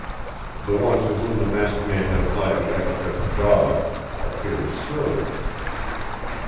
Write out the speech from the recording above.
The one to whom the masked man had applied the epithet, "dog," appeared surly.